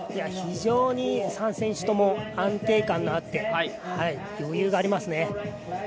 非常に３選手とも安定感があって余裕がありますね。